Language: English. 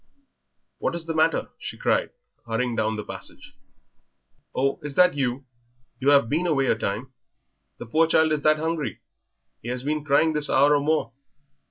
"What is the matter?" she cried, hurrying down the passage. "Oh, is that you? You have been away a time. The poor child is that hungry he has been crying this hour or more.